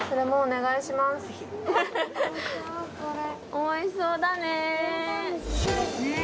⁉おいしそうだね！